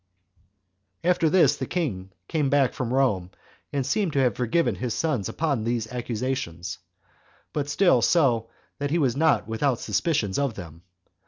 4. After this the king came back from Rome, and seemed to have forgiven his sons upon these accusations; but still so that he was not without his suspicions of them.